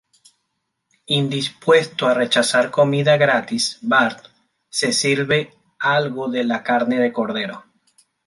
Indispuesto a rechazar comida gratis, Bart se sirve algo de la carne de cordero.